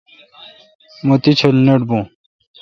مہ تی ڄھل نٹ بون۔